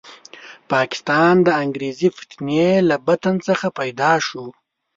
پاکستان د انګریزي فتنې له بطن څخه پیدا شو.